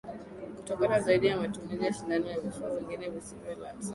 hutokana zaidi na matumizi ya sindano na vifaa vingine visivyo salama